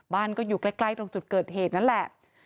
บ้านก็อยู่ใกล้ตรงจุดเกิดเหตุนั่นแหละ